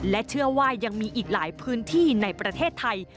และเชื่อว่ายังมีอีกหลายพื้นที่ในประเทศไทย